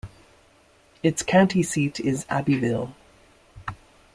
Its county seat is Abbeville.